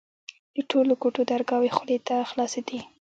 د ټولو کوټو درگاوې غولي ته خلاصېدې.